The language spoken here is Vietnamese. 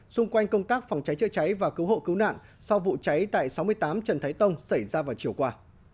xung quanh công tác phòng cháy chữa cháy và cứu hộ cứu nạn sau vụ cháy tại sáu mươi tám trần thái tông xảy ra vào chiều qua